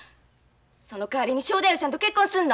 そのかわりに正太夫さんと結婚すんの？